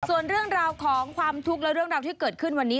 ส่วนเรื่องราวของความทุกข์และเรื่องราวที่เกิดขึ้นวันนี้